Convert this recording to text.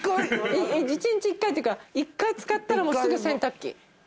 １日１回というか１回使ったらもうすぐ洗濯機。